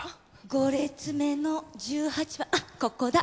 ５列目の１８番あっここだ。